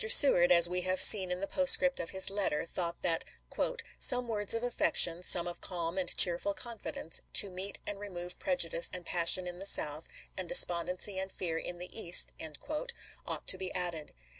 Seward, as we have seen in the postscript of his letter, thought that "some words of affection — some of calm and cheerful confidence," "to meet and remove prejudice and passion in the South, and despondency and fear in the East," ought to be added.